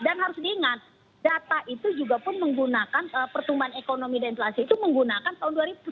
harus diingat data itu juga pun menggunakan pertumbuhan ekonomi dan inflasi itu menggunakan tahun dua ribu dua puluh